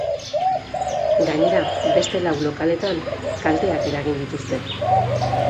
Gainera, beste lau lokaletan kalteak eragin dituzte.